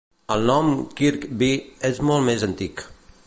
El nom Kirkby és molt més antic.